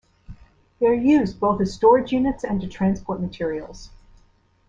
They are used both as storage units and to transport materials.